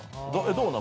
どうなん？